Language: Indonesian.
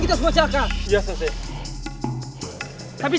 jangan jangan mereka ada masalah lagi